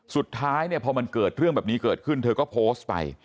สุดท้ายเนี่ยพอมันเกิดเรื่องแบบนี้เกิดขึ้นเธอก็โพสต์ไป